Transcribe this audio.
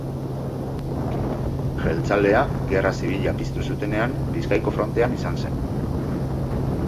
Jeltzalea, Gerra Zibila piztu zutenean, Bizkaiko frontean izan zen.